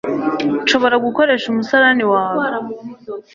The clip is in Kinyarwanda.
nshobora gukoresha umusarani wawe